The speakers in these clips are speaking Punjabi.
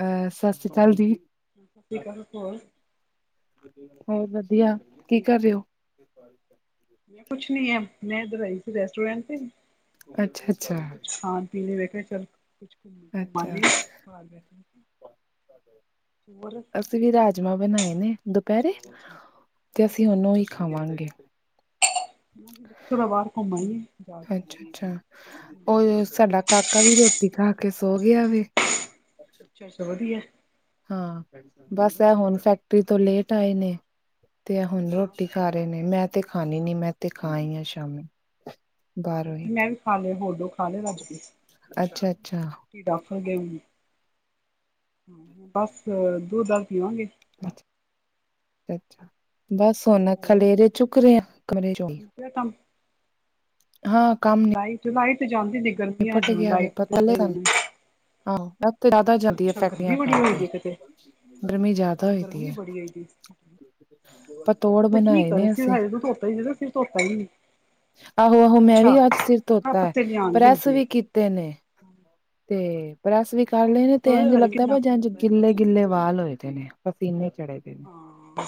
ਐ, ਸਸਰੀ ਕਾਲ ਜੀ। [unintelligible] ਹੋਰ ਹੋਰ ਵਦੀਆ, ਕੀ ਕਰ ਰਏ ਓ? [inaudible] ਮੈਂ ਕੁਛ ਨੀ ਐ ਮੈਂ ਏਰ ਆਈ ਸੀ ਰੈਸਟੋਰੈਂਟ ਤੇ ਅੱਛਾ-ਅੱਛਾ। ਬਸ ਕੁਛ ਖਾਣ ਪੀ ਲੇਆ ਵੇਖੇ ਚੱਲ ਕੁਛ ਘੁੰਮਾਂ ਅੱਛਾ ਅੱਛਾ, ਲਈ ਘਰ ਬੈਠੇ ਹੋਰ ਅਸੀਂ ਵੀ ਰਾਜਮਾਂ ਬਣਾਏ ਨੇ ਦੁਪੈਰੇ, ਅੱਛਾ ਅੱਛਾ ਤੇ ਅਸੀਂ ਓਨੂੰ ਈ ਖਾਵਾਂਗੇ। ਚਲੋ ਬਾਰ ਘੁੰਮ ਆਈਏ ਜਾ ਕੇ। ਓਏ-ਓਏ ਸਾਡਾ ਕਾਕਾ ਵੀ ਰੋਟੀ ਖਾ ਕੇ ਸੋ ਗੇਆ ਵੇ। ਅੱਛਾ-ਅੱਛਾ ਵਦੀਆ। ਹਾਂ ਬਸ ਐ ਹੁਣ ਫੈਕਟਰੀ ਤੋਂ ਲੇਟ ਆਏ ਨੇ, ਤੇ ਆ ਹੁਨ ਹਾਂ ਰੋਟੀ ਖਾ ਰਏ ਨੇ, ਮੈਂ ਤੇ ਖਾਣੀ ਨੀ ਮੈਂ ਤੇ ਖਾ ਆਈ ਆ ਸ਼ਾਮੀ। ਬਾਹਰੋਂ ਹੀ ਹਾਂ ਮੈਂ ਵੀ ਖਾ ਲੇਆ ਹੋਡੋ ਖਾ ਲਏ ਰੱਜ ਕੇ। ਅੱਛਾ-ਅੱਛਾ। ਕੀ ਡਾਕ ਸਕਦੇ ਓ, ਬਸ ਦੂਦ ਦਾ ਪੀਵਾਂਗੇ। ਅੱਛਾ। ਬਸ ਹੁਨ ਹੋਰ ਖਲੇਰੇ ਚੁੱਕ ਰਏ ਆ ਕਮਰੇ ਚੋਂ, ਹਾਂ ਕੰਮ ਲਾਈਟ ਲਾਈਟ ਜਾਂਦੀ ਸੀ ਗਰਮੀਆਂ ਨਿਪਟ ਚ ਗਿਆ ਵੇ ਲਾਈਟ ਪਰ ਕੱ ਪਹਿਲੇ ਸਨ ਆਹੋ ਤੇ ਜ਼ਾਦਾ ਜਾਂਦੀ ਆ ਗਰਮੀ ਫੈਕਟਰੀਆਂ ਬੜੀ ਹੋਈ ਕਰਕੇ। ਦੀ ਕਿਤੇ ਗਰਮੀ ਜ਼ਯਾਦਾ ਹੋਈ ਦੀ ਗਰਮੀ ਏ। ਬੜੀ ਹੋਈ ਦੀ ਪਤੌੱੜ ਤੇ ਕੀ ਬਨਾਏ ਕਰੇ ਨੇ ਸਿਰ ਅਸੀ। ਹਜੇ ਤੂੰ ਧੋਤਾ ਹੀ ਸੀਗਾ ਧੋਤਾ ਹੀ ਨੀ। ਆਹੋ-ਆਹੋ ਮੈਂ ਅੱਛਾ ਵੀ ਅੱਜ ਸਿਰ ਆਹ ਤੋਤਾ, ਪੱਤੇ ਲਿਆਣਗੇ ਪ੍ਰੈਸ ਹਜੇ ਵੀ ਕੀਤੇ ਨੇ। ਤੇ ਪਰੈਸ ਵੀ ਕਰ ਲੇ ਨੇ ਤੇ ਇੰਝ ਹਜੇ ਲੱਗਦਾ ਕਿੰਨਾ ਭ ਕੁ ਜੰ ਗੰਦਾ ਹੋਇਆ ਸੀ ਗਿੱਲੇ-ਗਿੱਲੇ ਵਾਲ ਹੋਏ ਦੇਨੇ ਪਸੀਨੇ ਚੜੇ। ਦੇ ਨੇ ਹਾਂ।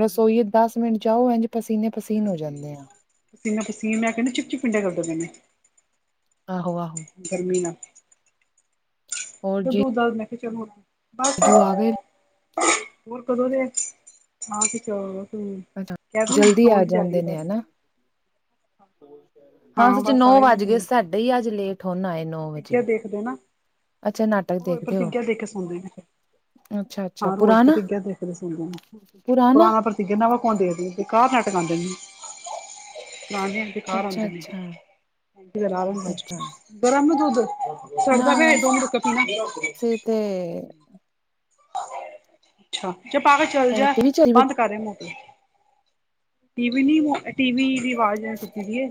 ਰਸੋਈਏ ਦਸ ਮਿੰਟ ਜਾਓ ਇਂਝੇ ਪਸੀਨੇ-ਪਸੀਨ ਹੋ ਜਾਂਨੇ ਆ। ਪਸੀਨਾ-ਪਸੀਨ ਮੈਂ ਕੈਹਣੀ ਚਿਪ-ਚਿਪ ਪਿਂਡਾ ਕਰਦਾ ਪਆ ਨੇ ਆਹੋ ਆ ਗਰਮੀ ਨਾ ਹੋਰ ਤੂ ਦੱਸ ਮੈਂ ਕਿਆ ਚਲੋ ਹੁਣ ਬਸ ਜੀਜੂ ਆ ਗਏ ਹੋਰ ਕਦੋਂ ਦੇ ਐ, [unintelligible] ਕੈਹ ਅੱਛਾ ਦੀ ਓਨੁ ਜਲਦੀ ਆ ਸੋਣ ਦੀ ਤੈਆਰੀ ਜਾਂਦੇ ਹੈ ਨੇ ਬਸ ਹਨਾ ਹਾਂ ਸਚ ਨੌ ਵੱਜ ਗਏ, ਸਾਡੇ ਈ ਅੱਜ ਲੇਟ ਹੂਨ ਆਏਨ। ਪ੍ਰਤੀਗੇਆ ਦੇਖਦੇ ਓ ਨਾ, ਨਾਟਕ ਓ ਦੇਖਦੇ ਹੋ ਪ੍ਰਤੀਗੇਆ ਦੇਖ ਕੇ ਸੋਂਦੇ ਨੇ ਫੇਰ। ਅੱਛਾ ਅੱਛਾ ਹਾਂ ਰੋਜ਼ ਪੁਰਾਣਾ ਪ੍ਰਤਿਗੇਆ ਦੇਖ ਕੇ ਸੋਂਦੇ ਨੇ, ਪੁਰਾਣਾ ਪੁਰਾਨਾ ਪ੍ਰ ਏਹਨਾ ਦਾ ਫੋਣ ਦੇਖਦੀ, ਬੇਕਾਰ ਨਾਟਕ ਆਂਦੇ ਨੇ, ਪੁਰਾਣੇ ਬੇਕਾਰ ਆਂਦੇ ਨੇ, ਅੱਛਾ-ਅੱਛਾ, ਲੱਗਾ ਓ ਅੱਛਾ ਗਰਮ ਏ ਦੁੱਧ ਨਾ ਸੜਦਾ ਪੇਆ ਦੋ ਮਿੰਟ ਰੁਕ ਕੇ ਅਸੀਂ ਤੇ [unintelligible] ਅੱਛਾ ਚ ਪਾ ਕੇ ਚੱਲ ਐ ਜਾ, ਟੀਵੀ ਚੱਲੀ ਬੰਦ ਕਰ ਰੇਂ ਮੋਟਰ। ਟੀਵੀ ਨੀ ਓ ਟੀਵੀ ਦੀ ਵਾਜ਼ ਆਂਦੀ ਪਈਏ।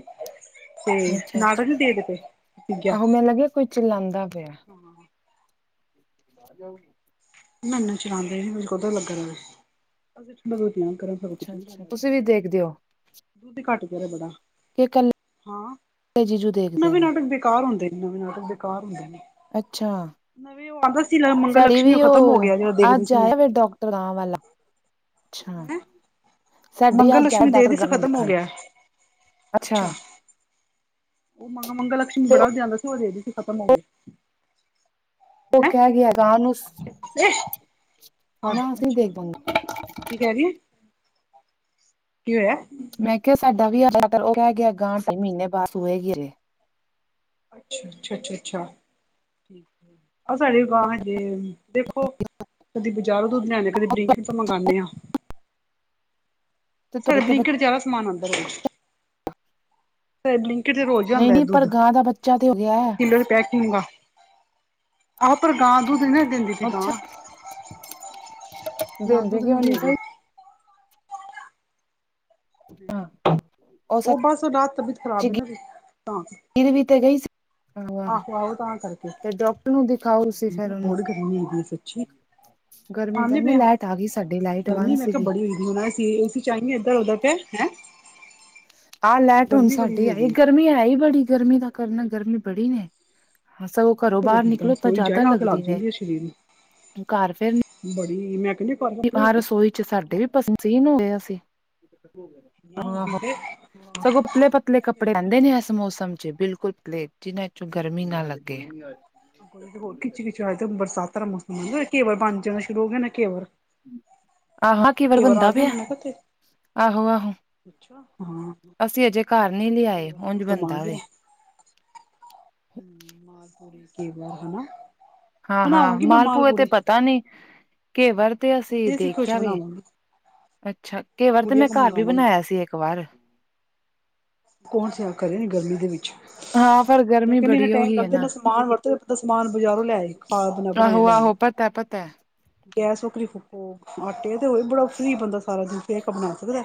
ਤੇ ਨਾਟਕ ਅੱਛਾ-ਅੱਛਾ ਨੀ ਦੇਖਦੇ, ਤਿਗੇਆ ਆਹੋ ਮੈਨੂੰ ਲੱਗਿਆ ਕੋਈ ਚਿਲਾਂਦਾ ਪੇਆ ਹਾਂ। ਆ ਜਾਓ। ਨਾ-ਨਾ ਚਲਾਂਦੇ ਨੀ ਹੁਨ ਕੁਂਡਾ ਲੱਗਾ ਰੈਂਦੈ, ਅਸੀਂ ਪਿਆਨ ਕਰਾ ਅੱਛਾ-ਅੱਛਾ ਤੁਸੀਂ ਵੀ ਦੇਖਦੇ ਓ ਖੁਦ ਈ ਘੱਟ ਗੇਆ ਬੜਾ, ਕੱਲੇ ਹਾਂ ਜੀਜੂ ਦੇਖਦੇ ਨਵੇਂ ਨੇ ਨਾਟਕ ਬੇਕਾਰ ਹੁੰਦੇ ਨਵੇਂ ਨਾਟਕ ਬੇਕਾਰ ਹੁੰਦੇ ਨੇ। ਅੱਛਾ, ਨਵੇਂ ਉਹ ਆਉਂਦਾ ਸੀ ਮੰਗਲ ਸਾਡੀ ਵੀ ਲਕਸ਼ਮੀ ਉਹ ਓ ਖਤਮ ਹੋ ਗਿਆ ਜਿਹੜਾ ਦੇਖਦੀ ਅੱਜ ਸੀ ਮੈਂ ਆਇਆ ਵੇ ਡੋਕ ਟਰ ਗਾਂ ਵਾਲਾ ਅੱਛਾ ਹੈਂ ਸਾਡੀੇ ਈ ਮੰਗਲ ਅੱਜ ਆਯਾ ਲਕਸ਼ਮੀ ਡਾਕਟਰ ਦੇਖਦੀ ਸੀ ਗਾਂ ਨੂੰ ਖਤਮ ਹੋ ਦੇਖਣ ਗਿਆ ਅੱਛਾ ਓਹ ਮੰ ਮੰਗਲ ਲਕਸ਼ਮੀ ਤੇ ਬੜਾ ਵਧੀਆ ਆਂਦਾ ਸੀਂ ਓਹ ਦੇਖਦੀ ਸੀ ਖਤਮ ਹੋ ਗੇਐ ਓਹ ਕੈਹ ਗਿਆ ਗਾਨੂੰਸ [inaudible] ਨਾ ਅਸੀਂ ਨੀ ਅੱਛਾ ਦੇਖ ਪਾਂ ਕੀ ਕੈ ਰੀਏ? ਕਿਂ ਹੋਇਐ? ਮੈਂ ਕੇਆ ਸਾਡਾ ਵੀ ਓਹ ਡਾਕਟਰ ਕੈਅ ਗੇਐ ਗਾਂ ਸੀ ਮਹੀਨੇ ਬਾਸ ਸੂਏਗੀ। ਅੱਛਾ, ਛਾ-ਛਾ-ਛਾ, ਠੀਕ ਓਹ ਸਾਡੀ ਬਾਂਝ ਏ ਦੇਖੋ। ਕਦੀ ਬਜ਼ਾਰੋਂ ਦੁੱਧ ਲਿਆਨੇ ਆਂ ਕਦੀ ਬਲਿੰਕਇਟ ਤੋਂ ਮੰਗਾਂਣੇ ਆਂ। ਤੇ ਸਾਡਾ ਤੁਹਾਡੀ ਤੇ ਬਲਿੰਕਇਟ ਜਾਦਾ ਸਮਾਨ ਆਂਦੈ। ਬਲਿੰਕਇਟ ਚ ਰੋਜ ਈ ਆਂਦੈ ਹੈ ਨਹੀਂ-ਨਹੀਂ ਪਰ ਦੁੱਧ, ਗਾਂ ਦਾ ਬੱਚਾ ਤੇ ਹੋ ਗਿਆ ਹੈ ਕਿਲੋ ਦੀ ਪੈਕੀਂਗ ਵਾ। ਆਹੋ ਪਰ ਗਾਂ ਦੁੱਧ ਨੀ ਨਾ ਦਿੰਦੀ ਸੀ ਗਾਂ, ਅੱਛਾ ਗਾਂ ਦਿੰਦੀ ਦੁੱਧ ਨੀ ਕਿਉਂ ਦੇਰੀ। ਸਹੀ ਉਹ ਓ ਸੱਚ ਬਸ ਰਾਤ ਤਬੀਅਤ ਖਰਾਬ ਏ ਨਾ ਓਦੀ, ਤਾਂ। ਮੇਰੀ ਵੀ ਤਾਂ ਗਈ ਸ ਆਹੋ- ਆਹੋ ਤਾਂ ਕਰਕੇ। ਡਾਕਟਰ ਨੂੰ ਦਿਖਾਓ ਤੁਸੀਂ [unintelligible] ਫੇਰ ਨਾ ਉਹਨੂੰ ਬਹੁਤ ਗਰਮੀ ਹੋਗੀ ਏ ਸੱਚੀ। ਗਰਮੀ ਖਾਨੇ ਕਹਿੰਦੇ ਪੇ ਆ। ਲਾਈਟ ਗਈ ਸਾਡੀ ਲਾਈਟ ਬੰਦ ਗਰਮੀ ਮੈਂ ਕਿਆ ਸੀਗੀ ਬੜੀ ਹੋਈ ਦੀ, ਹੁਣ ਐ ਸਿਰਿਸ ਈ ਟਾਈਮ ਈ ਐਧਰ ਹੁੰਦਾ ਪਿਆ, ਹੈਂ। ਆ ਲੈਟ ਹੁਣ ਗਰਮੀ ਬੜੀ ਸਾਡੀ ਹੋਈ ਆਈ। ਦੀ ਗਰਮੀ ਹੈ ਈ ਬੜੀ, ਗਰਮੀ ਦਾ ਕਰਨਾ, ਗਰਮੀ ਬੜੀ ਨੇ। ਹਾਂ ਸਗੋਂ ਕੀ ਘਰੋਂ ਕਰੇ ਬਾਅਰ ਬੰਦਾ ਨਿਕਲੋ ਤਾਂ ਰਸੋਈ ਜਾਦਾ ਜਾਏ ਅੱਗ ਲੱਗ ਲੱਗਦੀ ਨੇ, ਜਾਂਦੀ ਹੈ ਸਰੀਰ ਨੂੰ ਘਰ ਫੇਰ ਨਿ ਬੜੀ, ਮੈ ਕੈਨੀ ਨੀ ਬਾਰ ਰਸੋਈ ਚ ਸਾਡੇ ਵੀ ਪਸੀ ਨੋ- ਪਸੀਨ ਹੋਏ ਅਸੀਂ। ਹੂੰ, ਨਾ ਹੋਈ ਆਹ-ਆਹੋ। ਤੇ ਸਗੋਂ ਪਤਲੇ-ਪ ਪਤਲੇ ਕੱਪੜੇ ਪੈਂਦੇ ਨੇ ਐਸ ਮੌਸਮ ਚ, ਬਿਲਕੁਲ ਪਲੇਨ ਜਿਨ੍ਹਾਂ ਚੋਂ ਗਰਮੀ ਨਾ ਲੱਗੇ। ਹੋਰ ਖਿੱਚੀ-ਖਿੱਚ ਹਜੇ ਤੇ ਬਰਸਾਤਾਂ ਦਾ ਮੌਸਮ ਆ, ਓ ਘੇਵਰ ਬਨ ਜਾਣਾ ਸ਼ੁਰੂ ਹੋ ਗਿਆ ਨਾ ਘੇਵਰ। ਆਹਾ ਘੇਵਰ ਬਨਦਾ ਆ ਗਿਆ ਪਿਆ। ਨਾ ਮੈਂ ਕਿਹਾ ਤੇ ਆਹੋ- ਆਹੋ! ਅੱਛਾ ਹਾਂ ਅਸੀਂ ਅਜੇ ਘਰ ਨੀ ਲਿਆਏ ਦਾ ਉਝ ਮੌਸਮ ਆ ਬੰਦਾ ਵੇ। ਗਿਆ ਹੂੰ, ਮਾਲਪੂਰੇ, ਘੇਵਰ ਹਨਾ। ਹਾਂ- ਹਾਂ, ਬਣਾਵਾਂਗੀ ਮੈਂ ਮਾਲ ਮਾਲਪੂਏ ਤੇ ਪੂੜੇ ਪਤਾ ਨੀ। ਘੇਵਰ ਤੇ ਮੈਂ ਅਸੀਂ ਦੇਸੀ ਘਿਓ ਚ ਦੇਖਿਆ ਵੇ। ਬਣਾਵਾਂਗੀ ਅੱਛਾ, ਘੇਵਰ ਤੇ ਗੁੜੀਆਂ ਮੈਂ ਕੋ ਘਰ ਵੀ ਮੰਗਵਾਵਾਂਗੀ ਬਨਾਇਆ ਸੀ ਏਕ ਏਕ ਵਾਰ। ਕੌਣ ਸਿਆ ਕਰੇ ਇਨੀ ਗਰਮੀ ਦੇ ਵਿੱਚ। ਹਾਂ ਪਰ ਮੈਂ ਗਰਮੀ ਕੈਨੀ ਇਨਾ ਬੜੀ ਟੈਮ ਉਹੀ ਹੈ ਲੱਗਦੈ, ਨਾ ਇਨਾ ਸਮਾਨ ਵਰਤੇ ਤੇ ਸਮਾਨ ਬਾਜ਼ਾਰੋਂ ਲੈ ਆਏ ਖਾਨ ਬਣਾ -ਬਣਾਏ ਲੈ ਆਏ। ਪਤੈ - ਪਤੈ। ਗੈਸ ਵਖਰੀ ਫੂਕੋ, ਆਟੇ ਤੇ ਹੋਏ ਬੜਾ ਫ੍ਰੀ ਬੰਦਾ ਸਾਰਾ ਦਿਨ ਕੇਕ ਬਣਾ ਸਕਦੈ।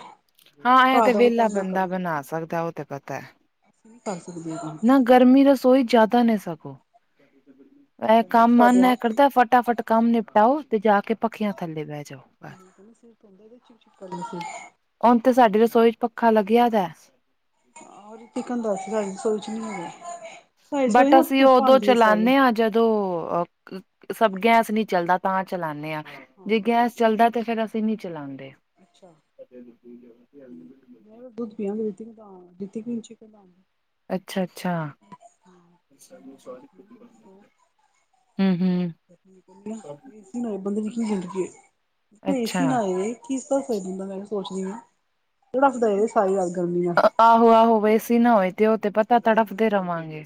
ਹਾਂ, ਐ ਤੇ ਵੇਲਾ ਬੰਦਾ ਬਣਾ ਸਕਦੈ, ਓ ਤੇ ਪਤੈ। ਨੀ ਕਰ ਸਕਦੇ ਅਪਣਾ। ਗਰਮੀ ਰਸੋਈ ਚ ਜਾਦਾ ਨੇ ਸਗੋ। ਠੀਕ ਬੀ ਐ ਕੰਮ ਮਨ ਸਾਡੇ ਐ ਆਪ ਪਈ ਕਰਦੈ, ਫਟਾਫਟ ਕੰਮ ਨਿਪਟਾਓ ਤੇ ਜਾ ਕੇ ਪਖੀਆਂ ਥੱਲੇ ਬੈ ਜਾਓ। ਬਸ ਕੈਂਦੇ ਸਿਰ ਧੋਂਦੇ ਤੇ ਚਿਪ- ਚਿਪ ਕਰਨੀ ਸੀ। ਹੁਨ ਤੇ ਸਾਡੀ ਰਸੋਈ ਚ ਪੱਖਾ ਲੱਗਿਆ ਦੈ। ਆਹ ਤਿਕਨ ਦਸ ਦਾ ਏ, ਰਸੋਈ ਚ ਨੀ ਹੈਗੇ। ਬਟ ਅਸੀਂ ਓਦੋਂ ਚਲਾਨੇ ਆ ਜਦੋਂ ਅ ਕ -ਸਭ ਗੈਸ ਨੀ ਚੱਲਦਾ ਤਾਂ ਚਲਾਨੇ ਆ, ਜੇ ਹਾਂ ਗੈਸ ਚਲਦੈ ਤੇ ਫੇਰ ਅਸੀਂ ਨੀ ਚਲਾਂਦੇ। ਅੱਛਾ ਹੂੰ, ਮੈਂ ਓ ਦੁੱਧ ਪੀਆਂਗੀ [unintelligible] ਦਿੱਤੀਤੀਂਚੀ ਕਰਨਾ। ਅੱਛਾ- ਅੱਛਾ। ਹੂੰ ਹੂੰ ਅੱਛਾ ਠੀਕ ਏ, ਇਸ ਨਾਲ ਬੰਦੇ ਦੀ ਕੀ ਜ਼ਿੰਦਗੀ ਏ। ਉਪਰ ਅੱਛਾ ਏਸੀ ਲਾ ਲੇ। ਕੀਸਤਾ ਤੇ ਖਰੀਦਨਾ ਪੈਣਾ ਸੋਚਨੀ ਆ, ਥੋੜਾ ਸੁਧਾਰ ਹੋਏਗਾ ਸਾਰੀ ਰਾਤ ਗਰਮੀ ਦਾ। ਆਹੋ- ਆਹੋ, ਵ ਏਸੀ ਨਾ ਹੋਏ ਤੇ ਓ ਤੇ ਪਤੈ ਤੜਫਦੇ ਰਵਾਂਗੇ।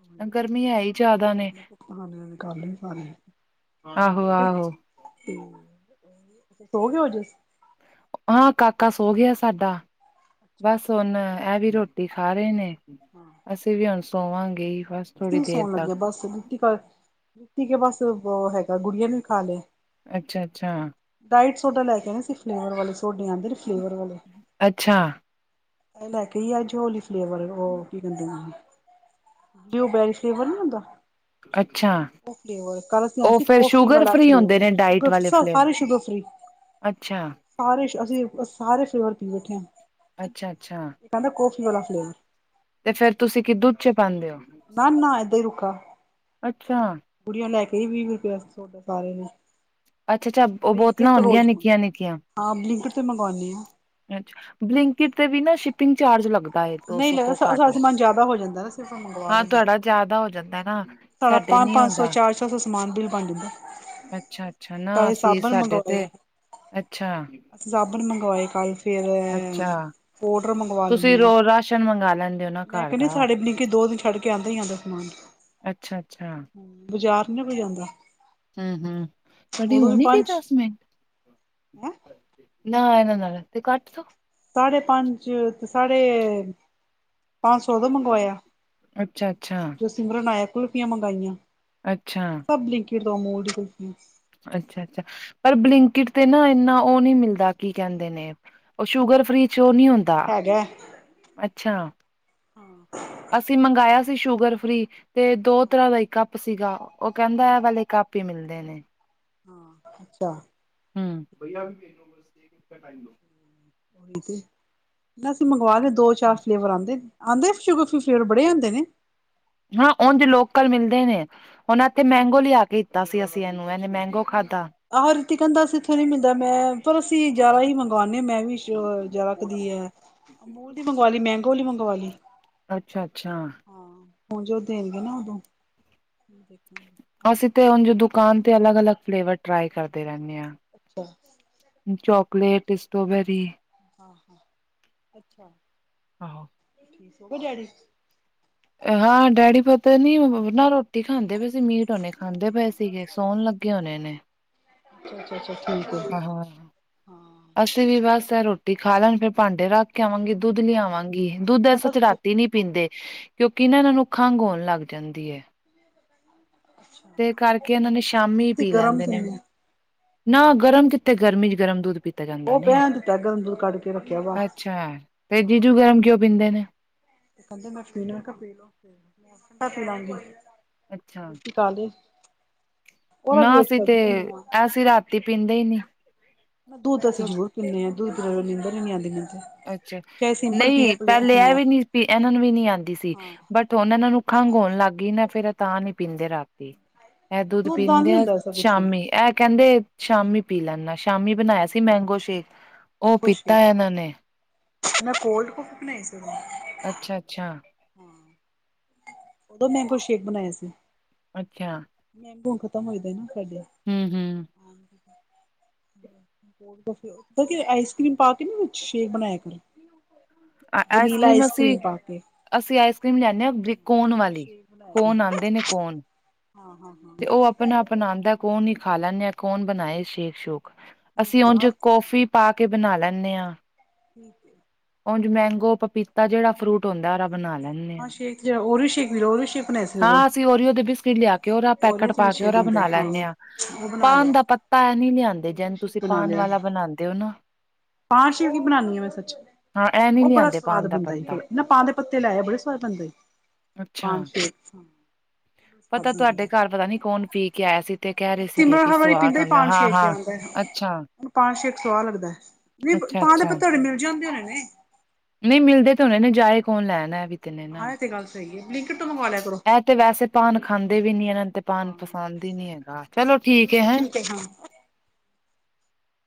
ਹੋਰ ਨੀ ਤੇ, ਗਰਮੀ ਹੈ ਹੀ ਜ਼ਿਆਦਾ ਨੇ ਅਪਣੇ ਭੁਗਤਾਨ ਨਿਕਾਲ ਲੇ ਸਾਰੇ। ਆਹੋ- ਆਹੋ। ਤੁਸੀ ਸੋ ਗੇ ਓ ਜਸ ਹਾਂ, ਕਾਕਾ ਸੋ ਗਿਆ ਸਾਡਾ। ਅੱਛਾ ਬਸ ਹੁਨ ਐ ਵੀ ਰੋਟੀ ਖਾ ਰੇ ਨੇ, ਬਸ ਤੇ ਵੀ ਹੁਣ ਸੋਵਾਂਗੇ ਈ ਬਸ। ਕੁਝ ਥੋੜ੍ਹੀ ਨੀ ਦੇਰ ਸੋਣ ਤੱਕ ਲੱਗੇ ਬਸ। ਬਿਕੀ ਘਰ, ਬਿਕੀ ਕੇ ਬਸ ਬੋ ਹੈਗਾ, ਗੁਡੀਆ ਨੇ ਵੀ ਖਾ ਲਿਆ। ਅੱਛਾ-ਅੱਛਾ। ਡਾਇਟ ਸੋਡਾ ਲੈ ਕੇ ਆਉਣਾ। ਉਹ 'ਚ ਫਲੇਵਰ ਵਾਲੇ ਸੋਡੇ ਆਂਦੇ ਨੇ, ਫਲੇਵਰ ਵਾਲੇ। ਅੱਛਾ ਲੈ ਕੇ ਈ ਅੱਜ ਹੋਲੀ ਫਲੇਵਰ [inaudible] [inaudible] ਬੀ ਉਹ ਬੈਰੀ ਫਲੇਵਰ ਨੀ ਹੁੰਦਾ। ਅੱਛਾ। ਉਹ ਫਲੇਵਰ ਕੱਲ ਅਸੀਂ ਆਣਾ ਉਹ ਸੀ ਫਿਰ ਕੌਫੀ ਸ਼ੂਗਰ ਵਾਲਾ ਫ੍ਰੀ ਹੁੰਦੇ ਫਲੇਵਰ ਨੇ, ਡਾਇਟ ਸ਼ੂਗਰ ਵਾਲੇ ਫਲੇਵਰ। ਸਾਰੇ ਅੱਛਾ। ਤਾਰੇਸ਼ ਅਸੀਂ ਸਾਰੇ ਫਲੇਵਰ ਪੀ ਬੈਠੇ ਆ। ਅੱਛਾ-ਅੱਛਾ। ਕਹਿੰਦਾ ਕੋਫੀ ਵਾਲਾ ਫਲੇਵ ਤੇ ਫਿਰ ਤੁਸੀਂ ਕਿ ਦੁੱਧ 'ਚ ਪਾਂਦੇ ਓ? ਨਾ-ਨਾ ਇਦਾਂ ਈ ਰੁੱਖਾ। ਅੱਛਾ, ਪੁੜੀਆਂ ਲੈ ਕੇ ਵੀ ਵੀਹ ਰੁਪਏ ਸੋਡਾ ਪਾ ਰਹੇ ਨੇ। ਅੱਛਾ-ਅੱਛਾ ਓ ਬਲਿੰਕਟ ਬੋਤਲਾਂ ਤੋਂ ਹੋਣਗੀਆਂ ਰੋਜ਼ ਨਿੱਕੀਆਂ-ਨਿੱਕੀਆਂ। ਹਾਂ, ਬਲਿੰਕਟ ਤੇ ਮੰਗੋਨੀ ਆ। ਅੱਛਾ, ਬਲਿੰਕਟ ਤੇ ਵੀ ਨਾ ਸ਼ਿਪਿੰਗ ਚਾਰਜ ਲੱਗ ਦਾ ਏ, ਦੋ ਨਹੀਂ ਸੌ ਲੱਗਦਾ ਤੋਂ ਘੱਟ। ਸਾਡਾ ਸਮਾਨ ਜ਼ਿਆਦਾ ਹੋ ਜਾਂਦਾ ਨਾ ਸਿਰਫ ਹਾਂ, ਤੁਹਾਡਾ ਜ਼ਿਆਦਾ ਹੋ ਜਾਂਦਾ ਨਾ। ਪਰ, ਸਾਡੇ ਆਪਾਂ ਨੀ ਪੰਜ ਸੌ, ਹੁੰਦਾ ਚਾਰ ਸੌ-ਸੌ ਸਮਾਨ ਬਿੱਲ ਬਣ ਜਾਂਦਾ। ਅੱਛਾ-ਅੱਛਾ। ਨਾ ਕੱਲ ਅਸੀਂ, ਸਾਬਣ ਸਾਡੇ ਤੇ ਮੰਗਵਾਏ ਅੱਛਾ ਅਸੀਂ ਸਾਬਣ ਮੰਗਵਾਏ ਕੱਲ੍ਹ, ਫੇਰ ਔਡਰ ਮੰਗਵਾ ਤੁਸੀਂ ਲੈਂਨੇ ਆਂ। ਰੋ ਰਾਸ਼ਨ ਮੰਗਾ ਲੈਂਦੇ ਓ ਨਾ ਮੈਂ ਘਰ ਕਹਿੰਦੀ ਦਾ। ਸਾਡੇ ਬਲਿੰਕਟ ਦੋ ਦਿਨ 'ਚ ਛੱਡ ਕੇ ਆਂਦਾਂ ਈ ਆਂਦਾ ਸਮਾਨ। ਅੱਛਾ-ਅੱਛਾ। ਬਾਜ਼ਾਰ ਨੀ ਕੋਈ ਜਾਂਦਾ ਹੂੰ-ਹੂੰ। ਤੁਹਾਡੀ ਉਦੋਂ ਹੋ ਵੀ ਨੀ ਗਈ ਪੰਜ ਦਸ ਮਿੰਟ। ਹੈਂ ਨਾ-ਨਾ-ਨਾ ਤੁਹੀ ਕੱਟ ਦੋ। ਸਾਡੇ ਪੰਜ ਤੇ ਸਾਡੇ ਪੰਜ-ਸੌ ਉਦੋ ਮੰਗਵਾਇਆ। ਅੱਛਾ-ਅੱਛਾ, ਜਦੋਂ ਸਿਮਰਨ ਆਇਆ, ਕੁੁਲਫੀਆਂ ਮੰਗਾਈਆਂ। ਅੱਛਾ। ਬਲਿੰਕਿਟ ਤਾਂ ਓ ਮੋੜ ਤੇ ਸੀ। ਅੱਛਾ-ਅੱਛਾ। ਪਰ ਬਲਿੰਕਿਟ ਤੇ ਨਾ ਇੰਨਾ ਉਹ ਨੀ ਮਿਲਦਾ, ਕੀ ਕਹਿੰਦੇ ਨੇ ਉਹ ਸ਼ੂਗਰ ਫ੍ਰੀ 'ਚ ਉਹ ਨਹੀਂ ਹੁੰਦਾ। ਹੈਗਾ ਅੱਛਾ ਹਾਂ। ਅਸੀਂ ਮੰਗਾਇਆ ਸੀ ਸ਼ੂਗਰ ਫ੍ਰੀ ਤੇ ਦੋ ਤਰਾਂ ਦਾ ਈ ਕੱਪ ਸੀਗਾ। ਉਹ ਕਹਿੰਦਾ, ਇਹ ਵਾਲੇ ਕੱਪ ਈ ਮਿਲਦੇ ਨੇ। ਹਾਂ, ਅੱਛਾ। ਹੂੰ, ਭਾਈ ਆ ਵੀੇ ਦੋ [unintelligible] ਉਹੀ ਤੇ, ਮੈ ਅਸੀਂ ਮੰਗਵਾ ਰਹੇ ਦੋ-ਚਾਰ ਫਲੇਵਰ ਆਉਂਦੇ ਆਂਦੇ ਸ਼ੁਗਰ ਫ੍ਰੀ ਫਲੇਵਰ, ਬੜੇ ਆਂਦੇ ਨੇ। ਹਾਂ, ਉਂਝ ਲੋਕਲ ਮਿਲਦੇ ਨੇ। ਹੁਣ ਇੱਥੇ ਮੈਂਗੋ ਲਿਆ ਕੇ ਦੀਤਾ ਸੀ ਅਸੀਂ ਇਹਨੂੰ। ਇਹਨੇ ਮੈਂਗੋ ਖਾਧਾ। ਆਹੋ ਰਿਤਿਕ ਕਹਿੰਦਾ ਸੀ, ਇੱਥੋਂ ਨਹੀਂ ਮਿਲਦਾ। ਮੈਂ, ਪਰ ਅਸੀਂ ਜ਼ਾ ਈ ਮੰਗਵਾਨੇ। ਮੈਂ ਵੀ ਸੀ ਓ ਜਾਤਦੀ ਐ। ਅਮੂਲ ਦੀ ਮੰਗਵਾਲੀ, ਮੈਂਗੋ ਵਾਲੀ ਮੰਗਵਾਲੀ ਅੱਛਾ-ਅੱਛਾ। ਹਾਂ, ਹੁਣ ਜੋ ਦੇਣਗੇ ਨਾ ਉਦੋਂ ਹਾਂ ਅਸੀਂ ਤੇ ਉਂਝ ਦੁਕਾਨ ਤੇ ਅਲੱਗ-ਅਲੱਗ ਫਲੇਵਰ ਟ੍ਰਾਈ ਕਰਦੇ ਰਹਿੰਨੇ। ਅੱਛਾ ਚੌਕਲੇਟ ਸਟ੍ਰੋਬੇਰੀ ਹਾਂ ਹਾਂ ਅੱਛਾ ਆਹੋ ਠੀਕ ਹੋ ਗਏ ਡੈਡੀ ਹਾਂ ਡੈਡੀ ਪਤਾ ਨੀ ਓ ਨਾ ਰੋਟੀ ਰੋਟੀ ਖਾਂਦੇ ਪਏ ਸੀ ਮੀਤ ਹੋਣੇ ਖਾਂਦੇ ਪਏ ਸੀਗੇ ਸੋਣ ਲੱਗੇ ਹੋਣੇ ਨੇ ਅੱਛਾ ਅੱਛਾ ਅੱਛਾ ਠੀਕ ਹੈ ਹੋਰ ਹਾਂ ਅਸੀਂ ਵੀ ਬਸ ਇਹ ਰੋਟੀ ਖਾ ਲੈਣ ਫਿਰ ਭਾਂਡੇ ਰੱਖ ਕੇ ਆਵਾਂਗੀ ਦੁੱਧ ਲਿਆਵਾਂਗੀ ਦੁੱਧ ਐ ਸਚ ਰਾਤੀ ਅਸੀਂ ਨੀ ਪੀਂਦੇ ਕਿਉਂਕਿ ਐਨਾਂ ਨੂੰ ਖੰਘ ਹੋਣ ਲੱਗ ਜਾਂਦੀ ਐ। ਦੇ ਕਰਕੇ ਏਨਾਂ ਨੇ ਸ਼ਾਮੀ ਪੀ ਗਰਮ ਲੈਂਦੇ ਨੇ। ਪੀਂਦੇ ਹਾਂ ਨਾ ਗਰਮ ਕਿਥੇ ਗਰਮੀ ਚ ਗਰਮ ਦੁਧ ਪੀ ਤਾ ਜਾਂਦਾ ਉਹ ਨੇ। ਪਿਆ ਦਿੱਤਾ ਗਰਮ ਦੁੱਧ ਕੱਢ ਕੇ ਰੱਖਿਆ ਬਾਹਰ ਅੱਛਾ। ਫੇਰ ਹਾਂ ਜੀਜੂ ਗਰਮ ਕਿਉ ਪੀਂਦੇ ਨੇ? ਤੇ ਕਹਿੰਦੇ ਮੈਂ ਪੀਣਾ ਪੀਲੋ ਮੈਂ ਠੰਡਾ ਪੀ ਅੱਛਾ ਲਾਂਗੀ ਤਾਲੀ ਨਾ ਅਸੀ ਤੇ, ਆ ਅਸੀ ਰਾਤੀ ਪੀਂਦੇ ਹੀ ਨੀ। ਦੁੱਧ ਅਸੀ ਕਿਉਂ ਜ਼ਰੂਰ ਪੀਂਨੇ ਆਂ। ਦੁੱਧ ਨੀਂਦਰ ਈ ਨੀ ਆਂਦੀ ਮੈਨੂੰ ਤੇ। ਅੱਛਾ। ਚਾਹੇ ਸਿੰਪਲ ਪੀਓ ਨਈ ਪਲੇਨ ਪਹਿਲੇ ਐ ਪੀਓ ਵੀ ਨੀ ਐਨਾਂ ਨੂੰ ਵੀ ਨੀ ਆਂਦੀ ਸੀ। ਹਾਂ ਬਟ ਹੁਣ ਏਨਾਂ ਨੂੰ ਖੰਘ ਹੋਣ ਲੱਗ ਗੀ ਨਾ ਫੇਰ ਇਹ ਤਾਂ ਨੀ ਪੀਂਦੇ ਰਾਤੀ। ਐ ਦੁੱਧ ਦਾ ਪੀਂਦੇ ਨੀ ਆ ਹੁੰਦਾ ਐਸਾ ਕੁਛ ਵੀ ਸ਼ਾਮੀ। ਐ ਕਹਿੰਦੇ ਸ਼ਾਮੀ ਪੀ ਲੈਂਨਾ ਸ਼ਾਮੀ ਬਣਾਇਆ ਅੱਛਾ ਸ ਸੀ ਮੈਂਗੋ ਸ਼ੇਕ। ਓ ਮੈਂਗੋ ਪੀਤਾ ਐ ਏਨਾਂ ਸ਼ੇਕ ਨੇ। ਮੈਂ ਕੋਲਡ ਕੋਫੀ ਬਣਾਈ ਸੀ। ਅੱਛਾ ਅੱਛਾ। ਦੋ ਮੈਂਗੋ ਸ਼ੇਕ ਬਣਾਇਆ ਸੀ। ਅੱਛਾ। ਮੈਂਗੋ ਹੁਣ ਖਤਮ ਹੋਏ ਦੇ ਨਾ ਸਾਡੇ। ਹਮ ਹਮ ਕਿਉਕੀ ਆਈਸ ਕਰ੍ਰੀਮ ਪਾ ਕੇ ਨਾ ਵਿਚ ਸ਼ੇਕ ਬਣਾਇਆ ਕਰੋ। ਅ ਆਈਸ ਵਨੀਲਾ ਕਰੀਮ ਅਸੀ ਕਰ੍ਰੀਮ ਪਾ ਕੇ ਅਸੀ ਆਈਸ ਕਰੀਮ ਲਿਆਂਨੇ ਆਂ ਬਰਿਕ ਸੇ਼ਕ ਬਣਾਇਆ ਦਾ ਕੋਨ ਹਾਂ ਹਾਂ। ਹਾਂ ਤੇ ਓ ਆਪਣਾ ਅਪਣਾ ਆਂਦਾ ਕੌਣ ਈ ਖਾ ਲੈਂਨੇ ਆ ਕੌਣ ਬਣਾਏ ਸ਼ੇਕ ਸ਼ੂਕ। ਅਸੀਂ ਠੀਕ ਓਝਂ ਆ ਕੋੌਫੀ ਠੀਕ ਪਾ ਕੇ ਬਣਾ ਲੈਂਨੇ ਆਂ। ਠੀਕ ਏ ਉਂਝ ਮੈਂਗੋ ਪਪੀਤਾ ਜੇੜਾ ਫਰੂਟ ਹੁੰਦਾ ਐ ਓਰਾ ਬਣਾ ਲੈਨੇ ਆਂ। ਹਾਂ ਸ਼ੇਕ ਓਰੀਓ ਸ਼ੇਕ ਵੀ, ਓਰੀਓ ਸ਼ੇਕ ਬਣਾਇਆ ਸੀ ਉਦੋਂ ਹਾਂ ਅਸੀ ਉਰੀਓ ਦੇ ਬਿਸਕਿਟ ਲਿਆ ਕੇ ਓਦਾ ਪੈਕੇਟ ਓਰੀਓ ਪਾ ਕੇ ਸ਼ੇਕ ਉਦਾ ਹੁੰਦਾ ਬਣਾ ਹਾਂ ਲੈਨੇ ਆਂ। ਉਹ ਬਣਾ ਪਾਨ ਲਿਆ ਦਾ ਪੱਤਾ ਐ ਨੀ ਲਿਆਂਦੇ ਉਹਦੀ ਜੈਨ ਸ਼ੇਕ ਤੁਸੀ ਪਾਨ ਵਾਲਾ ਬਣਾਂਦੇ ਓ ਨਾ। ਪਾਨ ਸੇ਼ਪ ਦੀ ਬਨਾਨੀ ਆਂ ਮੈਂ ਸੱਚ। ਹਾਂ ਇਹ ਨੀ ਓ ਬੜਾ ਲਿਆਂਦੇ ਸਵਾਦ ਪਾਨ ਦਾ ਬਣਦਾ ਈ। ਪੱਤਾ ਨ ਪਾਨ ਦੇ ਪੱਤੇ ਲੈ ਆਇਉ ਬੜਾ ਸਵਾਦ ਬਣਦਾ ਈ। ਪਾਨ ਸੇ਼ਕ ਉਹ ਤਾਂ ਤੁਹਾਡੇ ਘਰ ਪਤਾ ਨੀ ਕੌਣ ਪੀ ਕੇ ਆਇਆ ਸੀ। ਤੇ ਕਹਿ ਰਹੇ ਸੀਗੇ ਸਿਮਰ ਕਿ ਹਰ ਵਾਰੀ ਸਵਾਦ ਪੀਂਦਾ ਈ ਆਉਂਦਾ ਪਾਨ ਹਾਂ ਸੇ਼ਕ ਹਾਂ ਆਂਦਾ ਐ। ਅੱਛਾ ਪਾਨ ਸੇ਼ਕ ਸਵਾਦ ਲੱਗਦਾ ਐ। ਵੀ ਅੱਛਾ ਪਾਨ ਦੇ ਪੱਤੇ ਤੁਹਾਡੇ ਮਿਲ ਜਾਂਦੇ ਹੋਣੇ ਨੇ। ਨਈ ਮਿਲਦੇ ਤੇ ਹੋਣੇ ਨੇ ਜਾਏ ਕੌਣ ਲੈਣ ਐ ਵੀ ਤੇ ਨੇਨਾ। ਹਾਂ ਇਹ ਤੇ ਗੱਲ ਸਹੀ ਹੈ ਬਲਿੰਕਟ ਤੋਂ ਮੰਗਵਾ ਲਿਆ ਕਰੋ ਐ ਤੇ ਵੈਸੇ ਪਾਨ ਖਾਂਦੇ ਵੀ ਨੀ ਏਨਾਂ ਨ ਤੇ ਪਾਨ ਹਾਂ ਪਸੰਦ ਈ ਨੀ ਹੈਗਾ। ਚਲੋ ਠੀਕ ਐ ਹੈਂ।